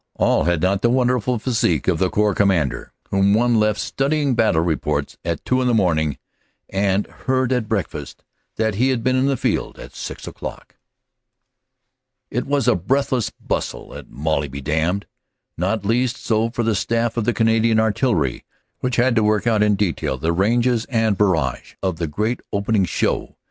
All had not the wonderful physique of the Corps Commander whom one left studying battle reports at two in the morning and heard at breakfast that he had been in the field at six o clock. It was a breathless bustle at "Molly be damned," not least so for the staff of the Canadian Artillery, which had to work out in detail the ranges and the barrage of the great opening show.